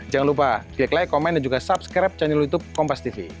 jangan lupa klik like komen dan juga subscribe channel youtube kompastv